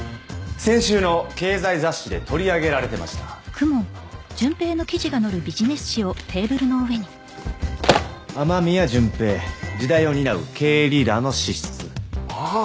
先週の経済雑誌で取り上げられてました雨宮純平時代を担う経営リーダーの資質ああー